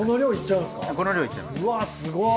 うわすごい！